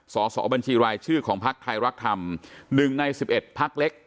สอสอบัญชีรายชื่อของภักดิ์ไทยรักษ์ธรรมหนึ่งในสิบเอ็ดภักดิ์เล็ก